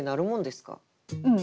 うん。